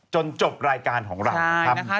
จนจบรายการของเรา